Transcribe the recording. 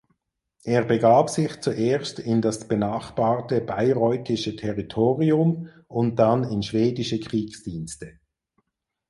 Er begab sich zuerst in das benachbarte bayreuthische Territorium und dann in schwedische Kriegsdienste.